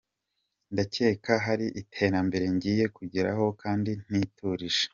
Ndakeka hari iterambere ngiye kugeraho kandi niturije.